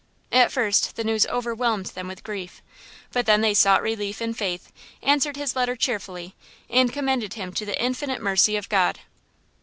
At first the news overwhelmed them with grief, but then they sought relief in faith, answered his letter cheerfully and commended him to the infinite mercy of God.